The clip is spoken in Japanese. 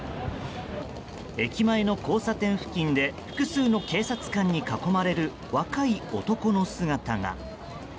駅前の交差点付近で複数の警察官に囲まれる若い男の姿が。